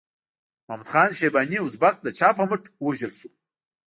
محمد خان شیباني ازبک د چا په مټ ووژل شو؟